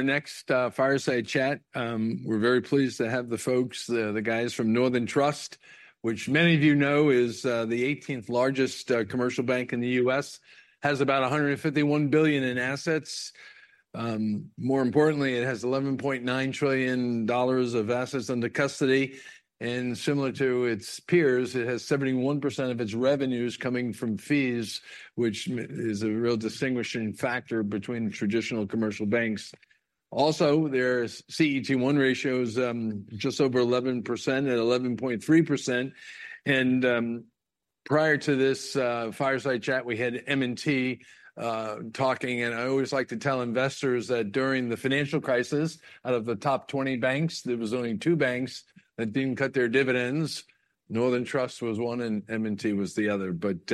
Next, fireside chat. We're very pleased to have the folks, the guys from Northern Trust, which many of you know is the 18th largest commercial bank in the U.S. It has about $151 billion in assets. More importantly, it has $11.9 trillion of assets under custody. And similar to its peers, it has 71% of its revenues coming from fees, which is a real distinguishing factor between traditional commercial banks. Also, their CET1 ratio is just over 11% at 11.3%. And prior to this fireside chat, we had M&T talking, and I always like to tell investors that during the financial crisis, out of the top 20 banks, there was only two banks that didn't cut their dividends. Northern Trust was one, and M&T was the other. But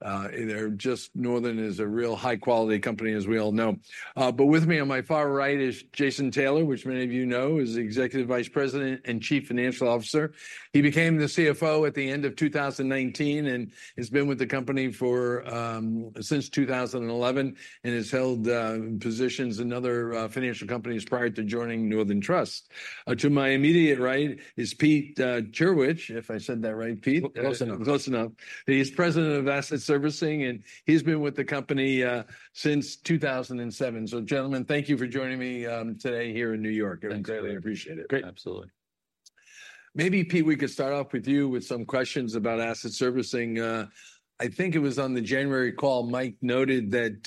they're just Northern is a real high-quality company, as we all know. But with me on my far right is Jason Tyler, which many of you know is the Executive Vice President and Chief Financial Officer. He became the CFO at the end of 2019 and has been with the company since 2011 and has held positions in other financial companies prior to joining Northern Trust. To my immediate right is Pete Cherecwich, if I said that right, Pete. Close enough. Close enough. He's President of Asset Servicing, and he's been with the company since 2007. So, gentlemen, thank you for joining me today here in New York. Great. I greatly appreciate it. Great. Absolutely. Maybe, Pete, we could start off with you with some questions about asset servicing. I think it was on the January call Mike noted that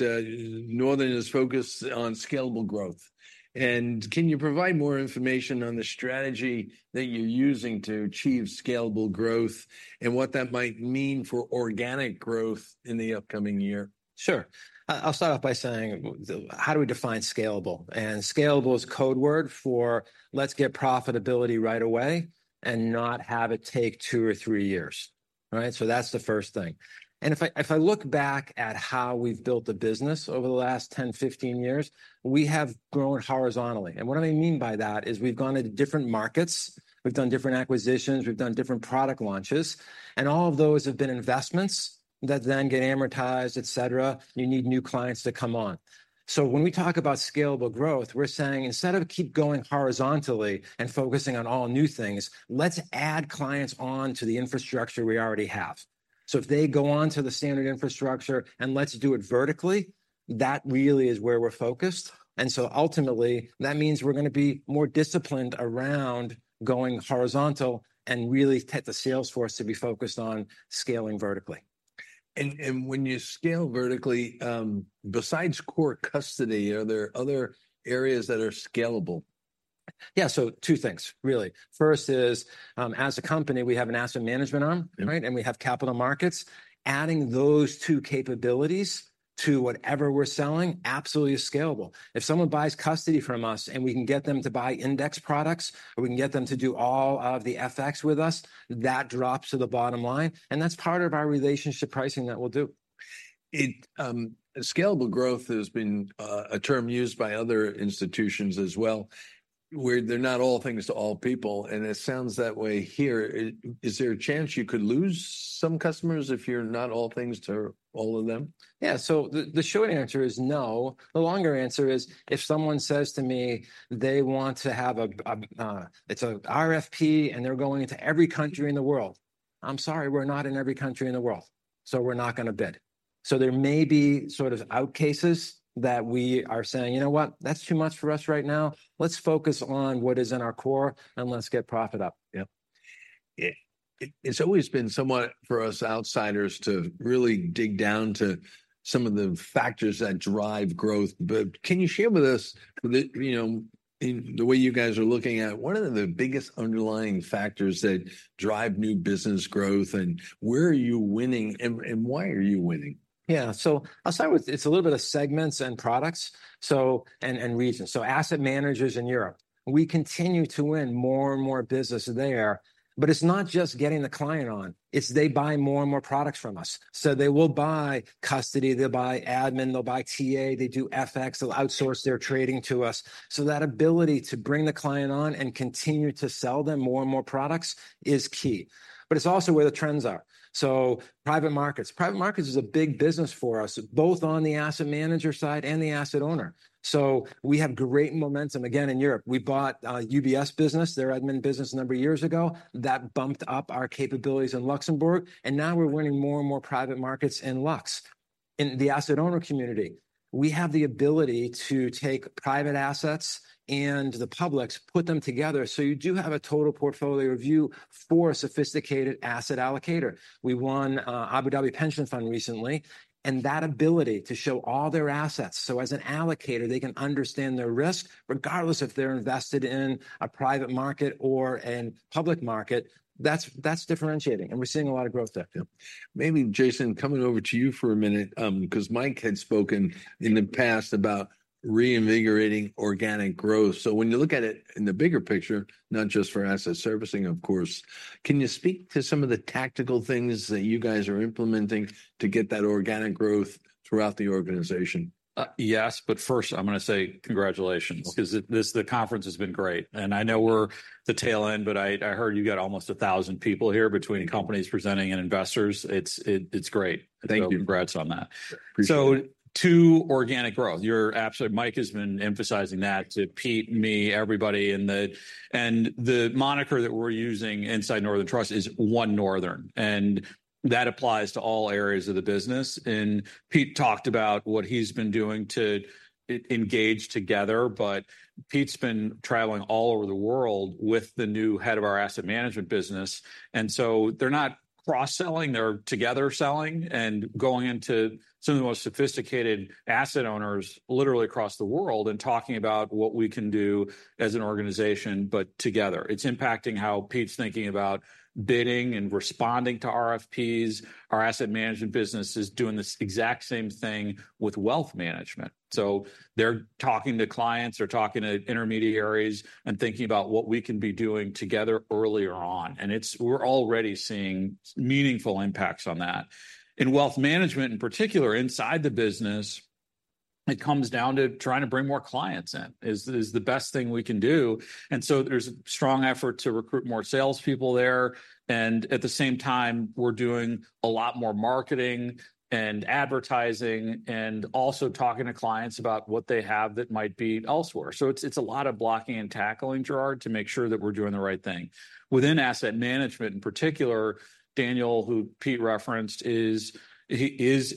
Northern is focused on scalable growth. Can you provide more information on the strategy that you're using to achieve scalable growth and what that might mean for organic growth in the upcoming year? Sure. I'll start off by saying, how do we define scalable? And scalable is a code word for, "Let's get profitability right away and not have it take two or three years." Right? So that's the first thing. And if I look back at how we've built the business over the last 10, 15 years, we have grown horizontally. And what I mean by that is we've gone into different markets, we've done different acquisitions, we've done different product launches, and all of those have been investments that then get amortized, etc. You need new clients to come on. So when we talk about scalable growth, we're saying, instead of keep going horizontally and focusing on all new things, let's add clients on to the infrastructure we already have. If they go on to the standard infrastructure and let's do it vertically, that really is where we're focused. So ultimately, that means we're gonna be more disciplined around going horizontal and really get the sales force to be focused on scaling vertically. And when you scale vertically, besides core custody, are there other areas that are scalable? Yeah. So two things, really. First is, as a company, we have an asset management arm. Mm-hmm. Right? We have capital markets. Adding those two capabilities to whatever we're selling absolutely is scalable. If someone buys custody from us and we can get them to buy index products or we can get them to do all of the FX with us, that drops to the bottom line. That's part of our relationship pricing that we'll do. Scalable growth has been a term used by other institutions as well, where they're not all things to all people. It sounds that way here. Is there a chance you could lose some customers if you're not all things to all of them? Yeah. So the short answer is no. The longer answer is if someone says to me they want to have an RFP and they're going into every country in the world, I'm sorry, we're not in every country in the world. So we're not gonna bid. So there may be sort of out cases that we are saying, "You know what? That's too much for us right now. Let's focus on what is in our core and let's get profit up. Yeah. It's always been somewhat for us outsiders to really dig down to some of the factors that drive growth. But can you share with us the, you know, in the way you guys are looking at, what are the biggest underlying factors that drive new business growth, and where are you winning, and, and why are you winning? Yeah. So I'll start with it's a little bit of segments and products, so and, and regions. So asset managers in Europe, we continue to win more and more business there. But it's not just getting the client on. It's they buy more and more products from us. So they will buy custody. They'll buy admin. They'll buy TA. They do FX. They'll outsource their trading to us. So that ability to bring the client on and continue to sell them more and more products is key. But it's also where the trends are. So private markets. Private markets is a big business for us, both on the asset manager side and the asset owner. So we have great momentum. Again, in Europe, we bought, UBS business, their admin business, a number of years ago. That bumped up our capabilities in Luxembourg. Now we're winning more and more private markets in Lux, in the asset owner community. We have the ability to take private assets and the public's, put them together. So you do have a total portfolio view for a sophisticated asset allocator. We won Abu Dhabi Pension Fund recently, and that ability to show all their assets. So as an allocator, they can understand their risk regardless if they're invested in a private market or a public market. That's, that's differentiating. And we're seeing a lot of growth there. Yeah. Maybe, Jason, coming over to you for a minute, 'cause Mike had spoken in the past about reinvigorating organic growth. So when you look at it in the bigger picture, not just for asset servicing, of course, can you speak to some of the tactical things that you guys are implementing to get that organic growth throughout the organization? Yes. But first, I'm gonna say congratulations. Okay. 'Cause this conference has been great. I know we're the tail end, but I heard you got almost 1,000 people here between companies presenting and investors. It's great. Thank you. Congrats on that. Appreciate it. So, to organic growth, you're absolutely. Mike has been emphasizing that to Pete, me, everybody in the, and the moniker that we're using inside Northern Trust is One Northern. That applies to all areas of the business. Pete talked about what he's been doing to engage together. But Pete's been traveling all over the world with the new head of our asset management business. So they're not cross-selling. They're together selling and going into some of the most sophisticated asset owners literally across the world and talking about what we can do as an organization but together. It's impacting how Pete's thinking about bidding and responding to RFPs. Our asset management business is doing this exact same thing with wealth management. They're talking to clients, they're talking to intermediaries, and thinking about what we can be doing together earlier on. It's we're already seeing meaningful impacts on that. In wealth management in particular, inside the business, it comes down to trying to bring more clients in is the best thing we can do. So there's a strong effort to recruit more salespeople there. And at the same time, we're doing a lot more marketing and advertising and also talking to clients about what they have that might be elsewhere. So it's a lot of blocking and tackling, Gerard, to make sure that we're doing the right thing. Within asset management in particular, Daniel, who Pete referenced, is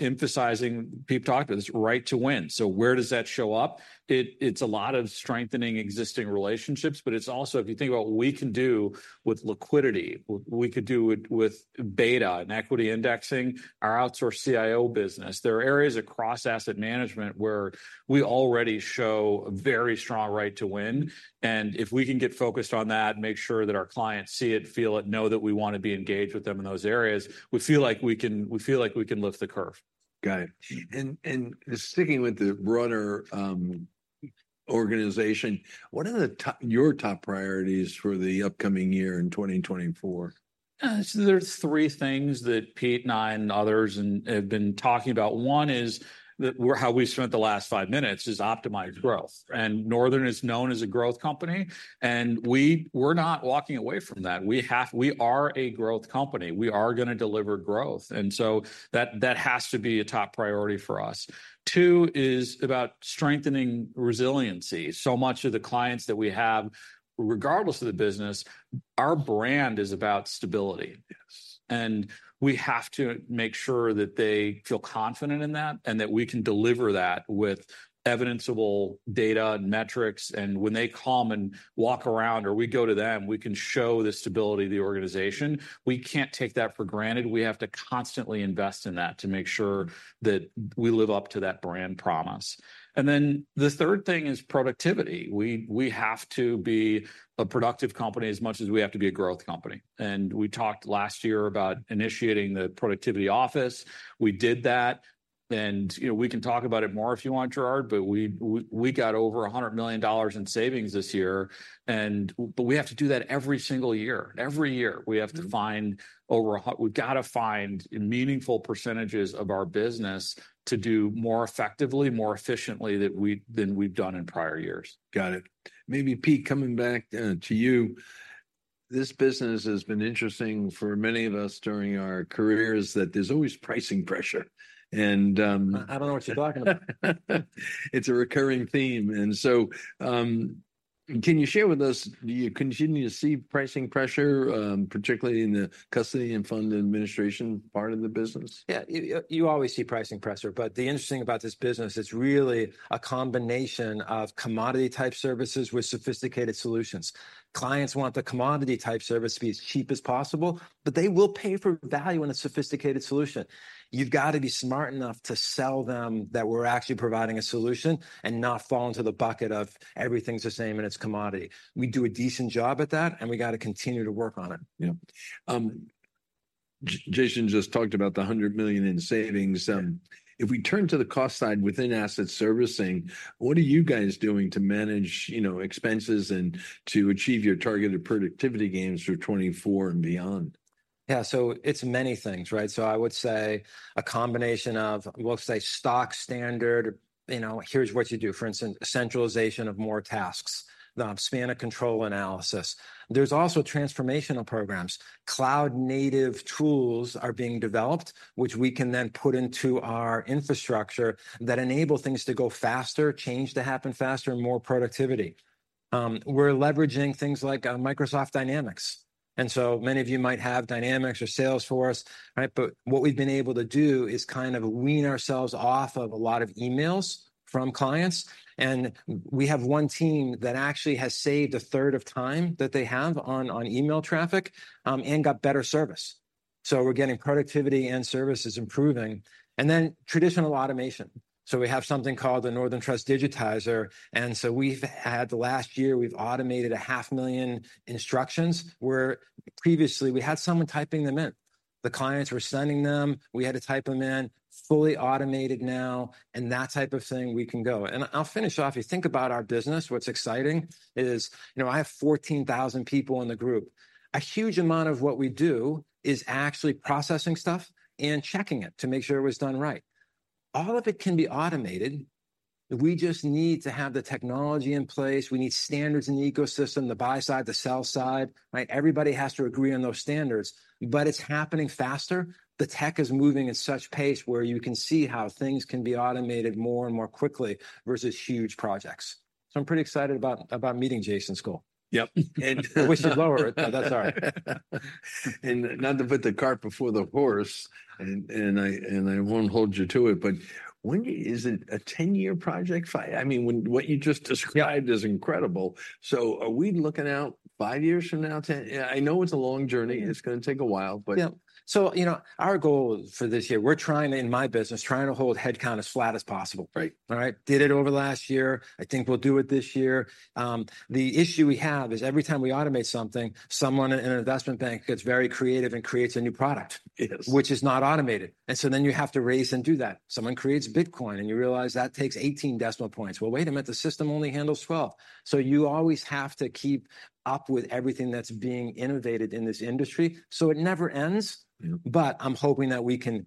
emphasizing Pete talked about this, right to win. So where does that show up? It's a lot of strengthening existing relationships. But it's also, if you think about what we can do with liquidity, what we could do with beta and equity indexing, our outsourced CIO business, there are areas across asset management where we already show a very strong right to win. And if we can get focused on that, make sure that our clients see it, feel it, know that we wanna be engaged with them in those areas, we feel like we can lift the curve. Got it. Sticking with the broader organization, what are your top priorities for the upcoming year in 2024? So, there's three things that Pete, and I, and others have been talking about. One is that we're how we spent the last five minutes is optimize growth. And Northern is known as a growth company. And we're not walking away from that. We are a growth company. We are gonna deliver growth. And so that has to be a top priority for us. Two is about strengthening resiliency. So much of the clients that we have, regardless of the business, our brand is about stability. Yes. We have to make sure that they feel confident in that and that we can deliver that with evidenceable data and metrics. When they come and walk around or we go to them, we can show the stability of the organization. We can't take that for granted. We have to constantly invest in that to make sure that we live up to that brand promise. And then the third thing is productivity. We have to be a productive company as much as we have to be a growth company. We talked last year about initiating the productivity office. We did that. You know, we can talk about it more if you want, Gerard, but we got over $100 million in savings this year. But we have to do that every single year. Every year, we have to find, we've gotta find meaningful percentages of our business to do more effectively, more efficiently than we've done in prior years. Got it. Maybe, Pete, coming back to you, this business has been interesting for many of us during our careers that there's always pricing pressure. And. I don't know what you're talking about. It's a recurring theme. And so, can you share with us, do you continue to see pricing pressure, particularly in the custody and fund administration part of the business? Yeah. You always see pricing pressure. But the interesting about this business, it's really a combination of commodity-type services with sophisticated solutions. Clients want the commodity-type service to be as cheap as possible, but they will pay for value in a sophisticated solution. You've gotta be smart enough to sell them that we're actually providing a solution and not fall into the bucket of, "Everything's the same, and it's commodity." We do a decent job at that, and we gotta continue to work on it. Yeah. Jason just talked about the $100 million in savings. If we turn to the cost side within Asset Servicing, what are you guys doing to manage, you know, expenses and to achieve your targeted productivity gains for 2024 and beyond? Yeah. So it's many things, right? So I would say a combination of, we'll say, stock standard, you know, "Here's what you do." For instance, centralization of more tasks, the span of control analysis. There's also transformational programs. Cloud-native tools are being developed, which we can then put into our infrastructure that enable things to go faster, change to happen faster, and more productivity. We're leveraging things like Microsoft Dynamics. And so many of you might have Dynamics or Salesforce, right? But what we've been able to do is kind of wean ourselves off of a lot of emails from clients. And we have one team that actually has saved a third of time that they have on email traffic, and got better service. So we're getting productivity and service is improving. And then traditional automation. So we have something called the Northern Trust Digitizer. And so, in the last year, we've automated 500,000 instructions where previously, we had someone typing them in. The clients were sending them. We had to type them in. Fully automated now. And that type of thing, we can go. And I'll finish off. If you think about our business, what's exciting is, you know, I have 14,000 people in the group. A huge amount of what we do is actually processing stuff and checking it to make sure it was done right. All of it can be automated. We just need to have the technology in place. We need standards in the ecosystem, the buy side, the sell side, right? Everybody has to agree on those standards. But it's happening faster. The tech is moving at such pace where you can see how things can be automated more and more quickly versus huge projects. So I'm pretty excited about meeting Jason's goal. Yep. And. I wish it's lower. That's all right. Not to put the cart before the horse, and I won't hold you to it, but when is it a 10-year project? Fine, I mean, when what you just described is incredible. So are we looking out 5 years from now, 10? Yeah. I know it's a long journey. It's gonna take a while, but. Yep. So, you know, our goal for this year, we're trying to in my business, trying to hold headcount as flat as possible. Right. All right? Did it over last year. I think we'll do it this year. The issue we have is every time we automate something, someone in an investment bank gets very creative and creates a new product. Yes. Which is not automated. So then you have to raise and do that. Someone creates Bitcoin, and you realize that takes 18 decimal points. Well, wait a minute. The system only handles 12. So you always have to keep up with everything that's being innovated in this industry. So it never ends. Yeah. I'm hoping that we can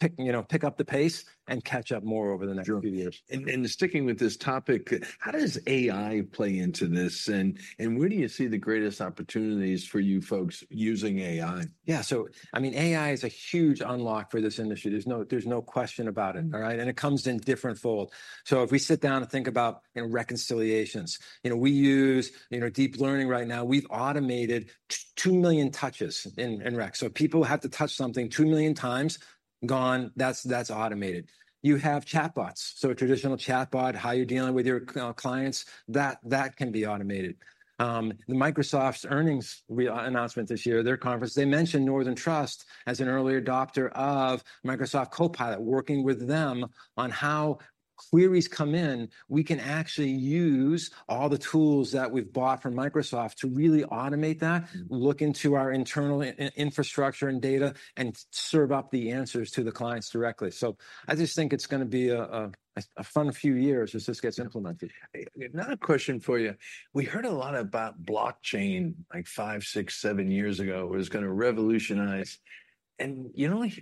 pick, you know, pick up the pace and catch up more over the next few years. Gerard, sticking with this topic, how does AI play into this, and where do you see the greatest opportunities for you folks using AI? Yeah. So, I mean, AI is a huge unlock for this industry. There's no question about it, all right? And it comes in different folds. So if we sit down and think about, you know, reconciliations, you know, we use, you know, deep learning right now. We've automated 2 million touches in REC. So people have to touch something 2 million times, gone. That's automated. You have chatbots. So a traditional chatbot, how you're dealing with your clients, that can be automated. The Microsoft's earnings announcement this year, their conference, they mentioned Northern Trust as an early adopter of Microsoft Copilot, working with them on how queries come in, we can actually use all the tools that we've bought from Microsoft to really automate that, look into our internal infrastructure and data, and serve up the answers to the clients directly. So I just think it's gonna be a fun few years as this gets implemented. Another question for you. We heard a lot about blockchain like 5, 6, 7 years ago. It was gonna revolutionize. You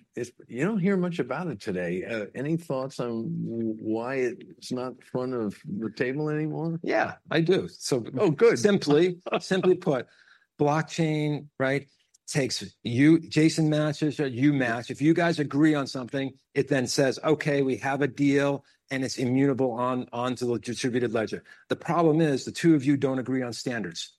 don't hear much about it today. Any thoughts on why it's not front of the table anymore? Yeah. I do. So. Oh, good. Simply put, blockchain, right, takes you, Jason, matches or you match. If you guys agree on something, it then says, "Okay. We have a deal, and it's immutable onto the distributed ledger." The problem is the two of you don't agree on standards.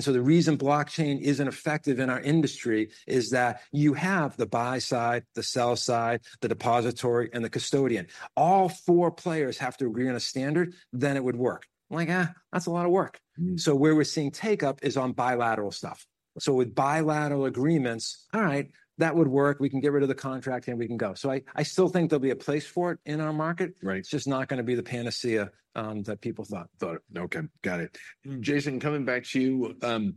So the reason blockchain isn't effective in our industry is that you have the buy side, the sell side, the depository, and the custodian. All four players have to agree on a standard, then it would work. I'm like, that's a lot of work. So where we're seeing uptake is on bilateral stuff. With bilateral agreements, all right, that would work. We can get rid of the contract, and we can go. So I still think there'll be a place for it in our market. Right. It's just not gonna be the panacea, that people thought. Thought it. Okay. Got it. Jason, coming back to you,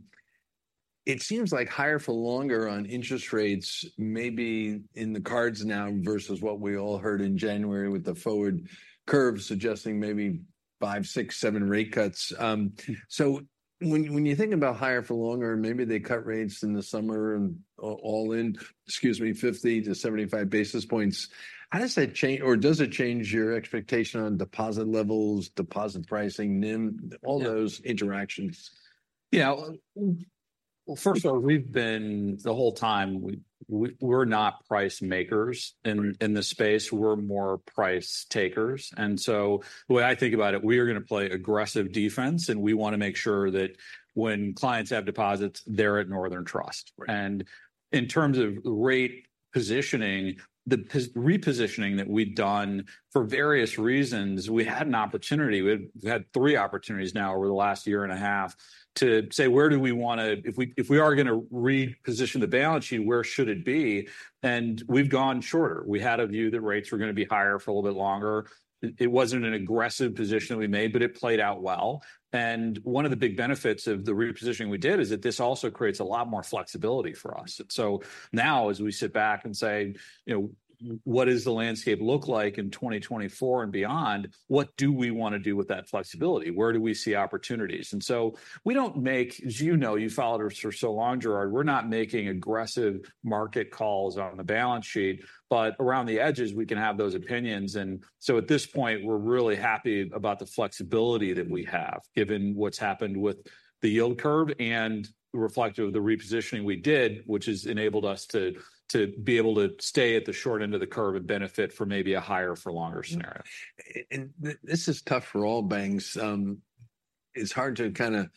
it seems like higher for longer on interest rates may be in the cards now versus what we all heard in January with the forward curve suggesting maybe 5, 6, 7 rate cuts. So when you think about higher for longer, maybe they cut rates in the summer and all in, excuse me, 50-75 basis points. How does that change or does it change your expectation on deposit levels, deposit pricing, NIM, all those interactions? Yeah. Well, first of all, we've been the whole time, we're not price makers in this space. We're more price takers. And so the way I think about it, we are gonna play aggressive defense, and we wanna make sure that when clients have deposits, they're at Northern Trust. Right. In terms of rate positioning, the portfolio repositioning that we've done for various reasons, we had an opportunity. We've had 3 opportunities now over the last year and a half to say, "Where do we wanna if we are gonna reposition the balance sheet, where should it be?" And we've gone shorter. We had a view that rates were gonna be higher for a little bit longer. It wasn't an aggressive position that we made, but it played out well. And one of the big benefits of the repositioning we did is that this also creates a lot more flexibility for us. And so now, as we sit back and say, you know, "What does the landscape look like in 2024 and beyond? What do we wanna do with that flexibility? Where do we see opportunities?" And so we don't make, as you know, you followed us for so long, Gerard, we're not making aggressive market calls on the balance sheet. But around the edges, we can have those opinions. And so at this point, we're really happy about the flexibility that we have, given what's happened with the yield curve and reflective of the repositioning we did, which has enabled us to be able to stay at the short end of the curve and benefit for maybe a higher for longer scenario. This is tough for all banks. It's hard to kinda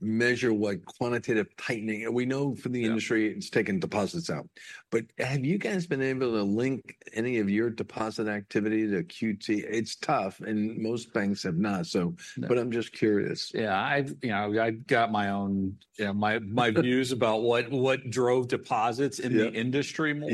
measure what quantitative tightening, we know from the industry, it's taken deposits out. But have you guys been able to link any of your deposit activity to QT? It's tough, and most banks have not, so. No. I'm just curious. Yeah. I've, you know, got my own, you know, views about what drove deposits in the industry more.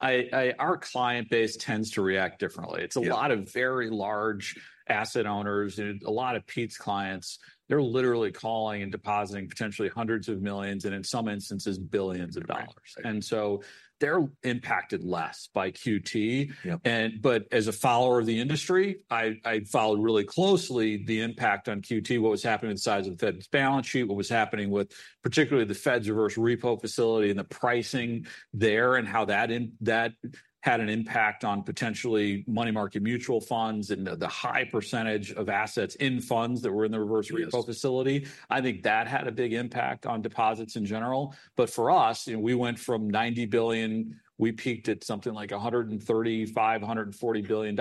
Yeah. Our client base tends to react differently. It's a lot of very large asset owners and a lot of Pete's clients. They're literally calling and depositing potentially $hundreds of millions and, in some instances, $billions of dollars. Right. And so they're impacted less by QT. Yep. As a follower of the industry, I followed really closely the impact on QT, what was happening with the size of the Fed's balance sheet, what was happening with particularly the Fed's reverse repo facility and the pricing there and how that had an impact on potentially money market mutual funds and the high percentage of assets in funds that were in the reverse repo facility. Yes. I think that had a big impact on deposits in general. But for us, you know, we went from $90 billion. We peaked at something like $135-$140 billion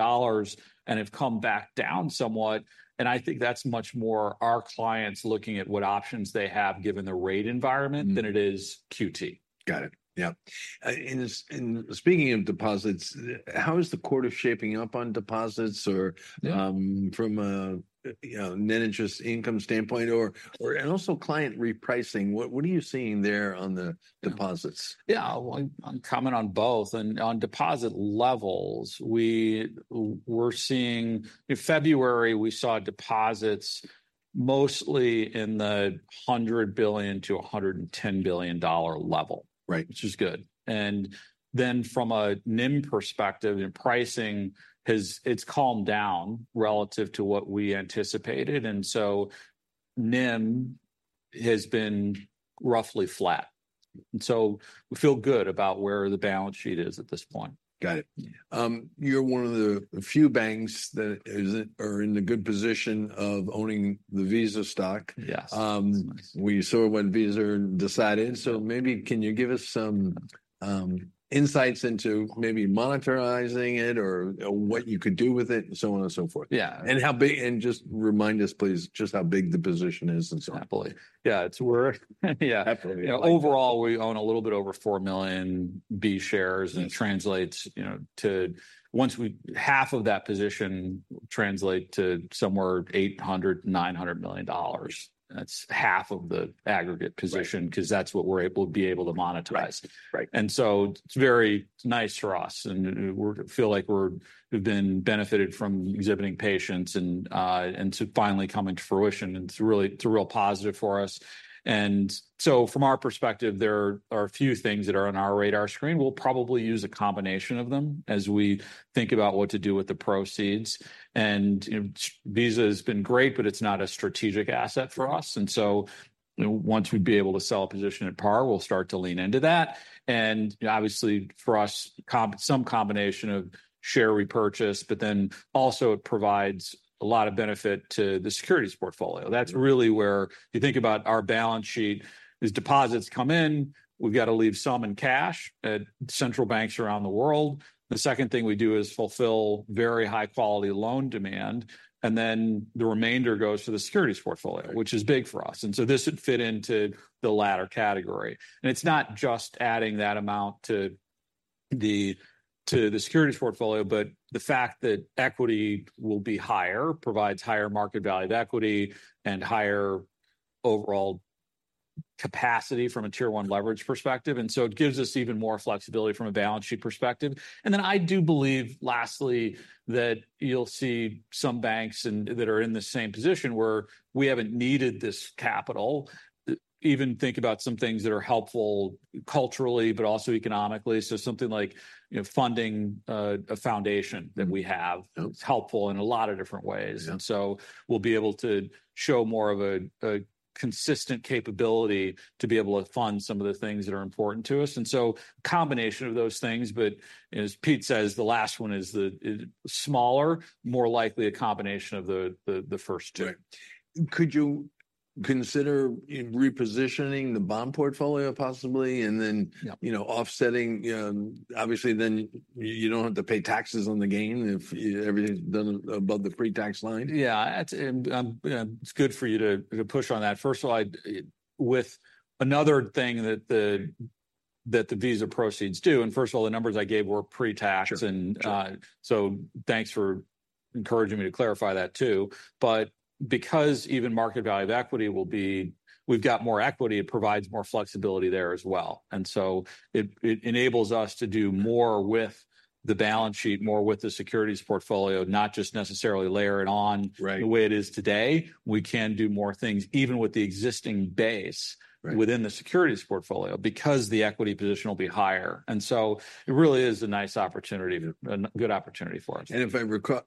and have come back down somewhat. And I think that's much more our clients looking at what options they have given the rate environment than it is QT. Got it. Yep. And speaking of deposits, how is the outlook shaping up on deposits or, from a, you know, net interest income standpoint or and also client repricing? What are you seeing there on the deposits? Yeah. Well, I'm commenting on both. On deposit levels, we're seeing in February, we saw deposits mostly in the $100 billion-$110 billion level. Right. Which is good. And then from a NIM perspective, you know, pricing has its calmed down relative to what we anticipated. And so NIM has been roughly flat. And so we feel good about where the balance sheet is at this point. Got it. You're one of the few banks that isn't or in the good position of owning the Visa stock. Yes. We saw it when Visa decided. So maybe can you give us some insights into maybe monetizing it or, you know, what you could do with it and so on and so forth? Yeah. How big, and just remind us, please, just how big the position is and so on? Happily. Yeah. It's we're yeah. Happily. You know, overall, we own a little bit over 4 million B shares. Yeah. It translates, you know, to once we have half of that position translate to somewhere $800-$900 million. That's half of the aggregate position 'cause that's what we're able to be able to monetize. Right. Right. So it's very nice for us. And we're feeling like we've benefited from exhibiting patience and so finally coming to fruition. And it's really a real positive for us. And so from our perspective, there are a few things that are on our radar screen. We'll probably use a combination of them as we think about what to do with the proceeds. And, you know, Visa has been great, but it's not a strategic asset for us. And so, you know, once we'd be able to sell a position at par, we'll start to lean into that. And, you know, obviously, for us, some combination of share repurchase, but then also it provides a lot of benefit to the securities portfolio. That's really where if you think about our balance sheet, as deposits come in, we've gotta leave some in cash at central banks around the world. The second thing we do is fulfill very high-quality loan demand, and then the remainder goes to the securities portfolio, which is big for us. So this would fit into the latter category. And it's not just adding that amount to the securities portfolio, but the fact that equity will be higher provides higher market value of equity and higher overall capacity from a Tier 1 leverage perspective. So it gives us even more flexibility from a balance sheet perspective. Then I do believe, lastly, that you'll see some banks that are in the same position where we haven't needed this capital. Even think about some things that are helpful culturally but also economically. Something like, you know, funding, a foundation that we have. Yep. It's helpful in a lot of different ways. Yep. And so we'll be able to show more of a consistent capability to be able to fund some of the things that are important to us. And so, combination of those things. But as Pete says, the last one is the smaller, more likely a combination of the first two. Right. Could you consider, you know, repositioning the bond portfolio possibly and then? Yep. You know, offsetting, you know, obviously, then you don't have to pay taxes on the gain if, you know, everything's done above the pre-tax line? Yeah. That's, and you know, it's good for you to push on that. First of all, I with another thing that the Visa proceeds do, and first of all, the numbers I gave were pre-tax. Sure. Thanks for encouraging me to clarify that too. But because even market value of equity will be, we've got more equity, it provides more flexibility there as well. And so it, it enables us to do more with the balance sheet, more with the securities portfolio, not just necessarily layer it on. Right. The way it is today. We can do more things even with the existing base. Right. Within the securities portfolio because the equity position will be higher. And so it really is a nice opportunity, a good opportunity for us. If I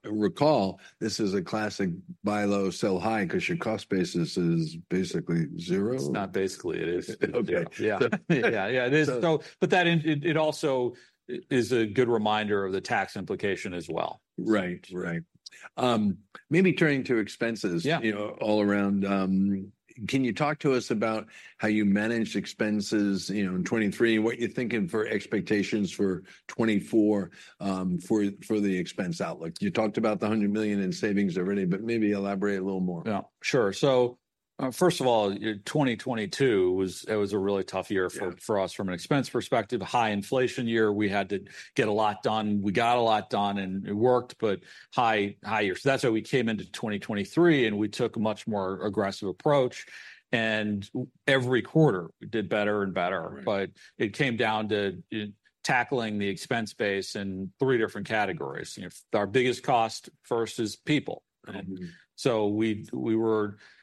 recall, this is a classic buy low, sell high 'cause your cost basis is basically zero? It's not basically. It is. Okay. Yeah. Yeah. Yeah. It is so, but that it also is a good reminder of the tax implication as well. Right. Right. Maybe turning to expenses. Yeah. You know, all around, can you talk to us about how you managed expenses, you know, in 2023, what you're thinking for expectations for 2024, for, for the expense outlook? You talked about the $100 million in savings already, but maybe elaborate a little more. Yeah. Sure. So, first of all, you know, 2022 was a really tough year for us from an expense perspective, high inflation year. We had to get a lot done. We got a lot done, and it worked, but high year. So that's why we came into 2023, and we took a much more aggressive approach. Every quarter, we did better and better. Right. It came down to, you know, tackling the expense base in three different categories. You know, our biggest cost first is people. Mm-hmm. So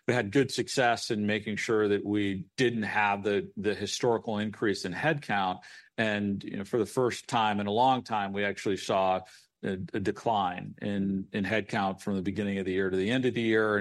we had good success in making sure that we didn't have the historical increase in headcount. And, you know, for the first time in a long time, we actually saw a decline in headcount from the beginning of the year to the end of the year.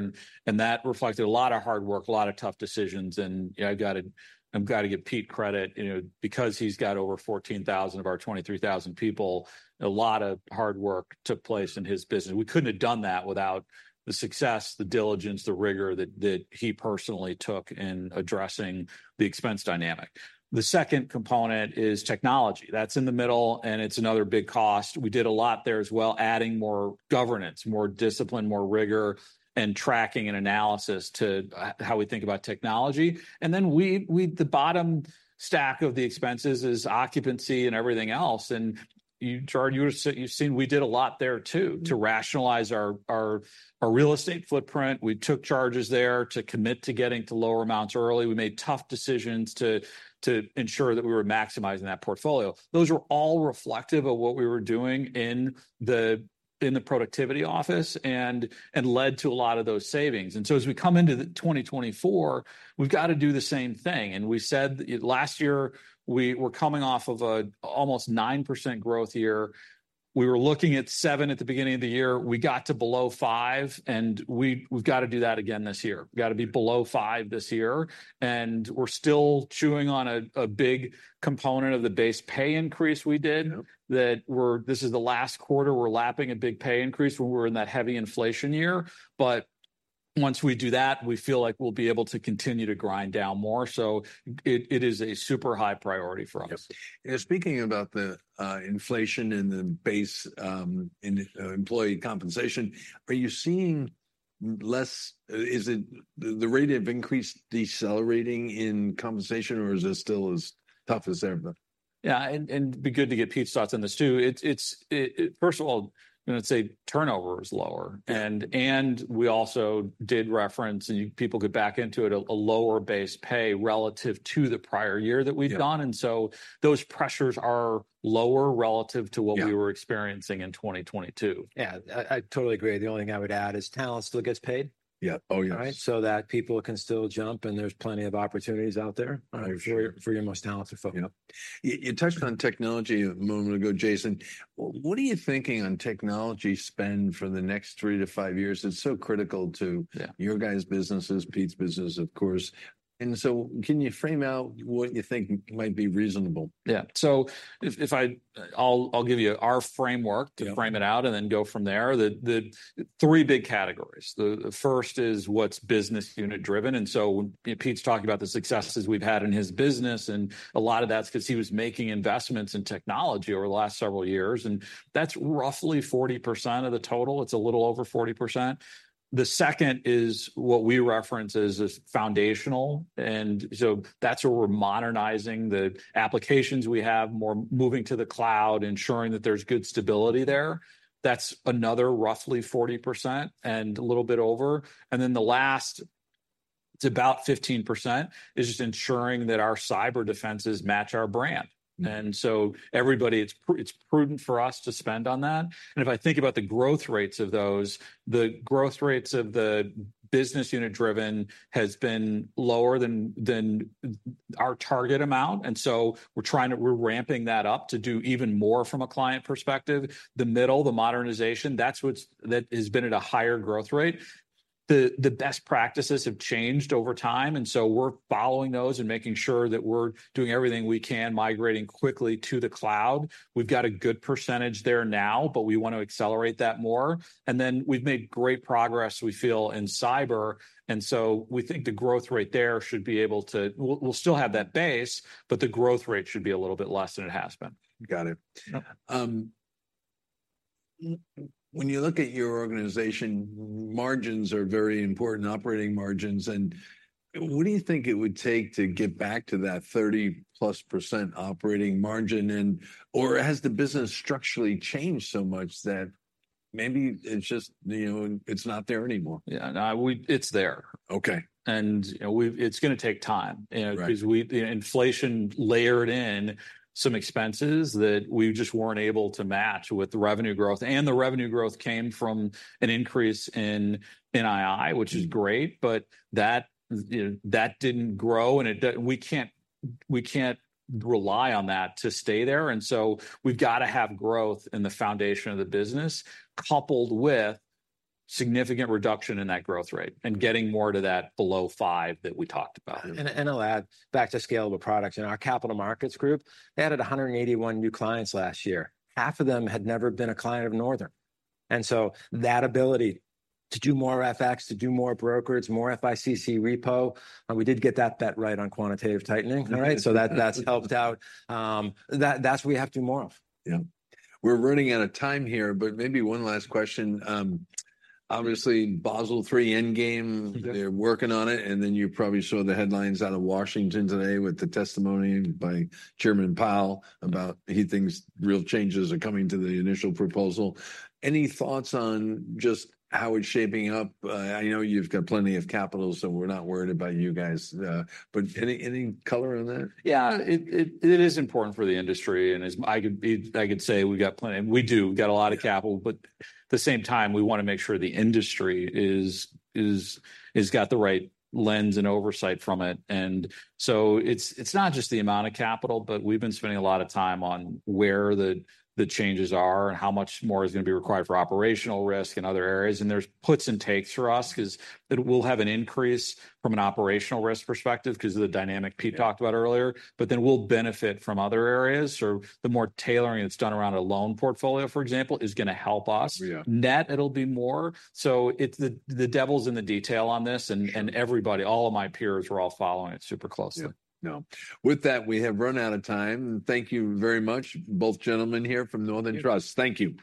And that reflected a lot of hard work, a lot of tough decisions. And, you know, I've gotta give Pete credit, you know, because he's got over 14,000 of our 23,000 people. A lot of hard work took place in his business. We couldn't have done that without the success, the diligence, the rigor that he personally took in addressing the expense dynamic. The second component is technology. That's in the middle, and it's another big cost. We did a lot there as well, adding more governance, more discipline, more rigor, and tracking and analysis to how we think about technology. And then we the bottom stack of the expenses is occupancy and everything else. And you, Gerard, you would have seen we did a lot there too, to rationalize our real estate footprint. We took charges there to commit to getting to lower amounts early. We made tough decisions to ensure that we were maximizing that portfolio. Those were all reflective of what we were doing in the productivity office and led to a lot of those savings. And so as we come into the 2024, we've gotta do the same thing. And we said last year, we were coming off of a almost 9% growth year. We were looking at 7% at the beginning of the year. We got to below 5%, and we've gotta do that again this year. We've gotta be below 5% this year. And we're still chewing on a big component of the base pay increase we did. Yep. This is the last quarter. We're lapping a big pay increase when we were in that heavy inflation year. But once we do that, we feel like we'll be able to continue to grind down more. So it is a super high priority for us. Yep. Now, speaking about the inflation and the base in employee compensation, are you seeing less? Is it the rate of increased decelerating in compensation, or is it still as tough as ever? Yeah. And it'd be good to get Pete's thoughts on this too. It's it, first of all, I'm gonna say turnover is lower. Mm-hmm. And we also did reference, and you people get back into it, a lower base pay relative to the prior year that we've gone. Yeah. Those pressures are lower relative to what we were experiencing in 2022. Yeah. I totally agree. The only thing I would add is talent still gets paid. Yeah. Oh, yes. All right. So that people can still jump, and there's plenty of opportunities out there. I appreciate it. For your most talented folks. Yep. You touched on technology a moment ago, Jason. What are you thinking on technology spend for the next three to five years? It's so critical to. Yeah. Your guys' businesses, Pete's business, of course. And so can you frame out what you think might be reasonable? Yeah. So if I'll give you our framework to frame it out. Yep. And then go from there. The three big categories. The first is what's business unit-driven. And so, you know, Pete's talking about the successes we've had in his business. And a lot of that's 'cause he was making investments in technology over the last several years. And that's roughly 40% of the total. It's a little over 40%. The second is what we reference as foundational. And so that's where we're modernizing the applications we have, more moving to the cloud, ensuring that there's good stability there. That's another roughly 40% and a little bit over. And then the last, it's about 15%, is just ensuring that our cyber defenses match our brand. Mm-hmm. And so everybody, it's prudent for us to spend on that. And if I think about the growth rates of those, the growth rates of the business unit-driven has been lower than our target amount. And so we're ramping that up to do even more from a client perspective. The middle, the modernization, that's what has been at a higher growth rate. The best practices have changed over time. And so we're following those and making sure that we're doing everything we can, migrating quickly to the cloud. We've got a good percentage there now, but we wanna accelerate that more. And then we've made great progress, we feel, in cyber. And so we think the growth rate there should be able to, well, we'll still have that base, but the growth rate should be a little bit less than it has been. Got it. Yep. When you look at your organization, margins are very important, operating margins. What do you think it would take to get back to that 30%+ operating margin? Or has the business structurally changed so much that maybe it's just, you know, it's not there anymore? Yeah. No, it's there. Okay. You know, we've, it's gonna take time, you know. Right. 'Cause we, you know, inflation layered in some expenses that we just weren't able to match with revenue growth. The revenue growth came from an increase in NII, which is great. Mm-hmm. But that, you know, that didn't grow. And we can't rely on that to stay there. And so we've gotta have growth in the foundation of the business coupled with significant reduction in that growth rate and getting more to that below 5% that we talked about. And I'll add back to scalable products. In our capital markets group, they added 181 new clients last year. Half of them had never been a client of Northern. And so that ability to do more FX, to do more brokerage, more FICC repo, we did get that bet right on quantitative tightening. Mm-hmm. All right? So that's helped out. That's what we have to do more of. Yep. We're running out of time here, but maybe one last question. Obviously, Basel III Endgame. Yep. They're working on it. Then you probably saw the headlines out of Washington today with the testimony by Chairman Powell about he thinks real changes are coming to the initial proposal. Any thoughts on just how it's shaping up? I know you've got plenty of capital, so we're not worried about you guys. But any, any color on that? Yeah. It is important for the industry. And as I could say, we've got plenty we do. We've got a lot of capital. But at the same time, we wanna make sure the industry is got the right lens and oversight from it. And so it's not just the amount of capital, but we've been spending a lot of time on where the changes are and how much more is gonna be required for operational risk and other areas. And there's puts and takes for us 'cause we'll have an increase from an operational risk perspective 'cause of the dynamic Pete talked about earlier. But then we'll benefit from other areas. So the more tailoring that's done around a loan portfolio, for example, is gonna help us. Yeah. Net, it'll be more. So it's the devil's in the detail on this. And everybody all of my peers were all following it super closely. Yep. No. With that, we have run out of time. Thank you very much, both gentlemen here from Northern Trust. Thank you.